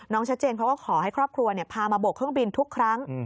ชัดเจนเขาก็ขอให้ครอบครัวพามาโบกเครื่องบินทุกครั้ง